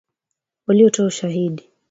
Walitoa ushahidi